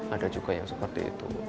ada juga yang seperti itu